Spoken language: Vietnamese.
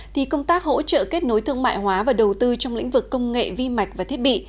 thì công tác hỗ trợ kết nối thương mại hóa và đầu tư trong lĩnh vực công nghệ vi mạch và thiết bị